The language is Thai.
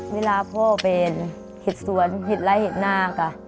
เวลาพ่อเป็นเห็ดสวนเห็ดไล่เห็ดหน้าค่ะ